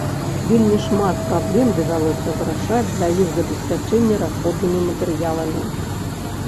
Вельмі шмат праблем давялося вырашаць для іх забеспячэння расходнымі матэрыяламі.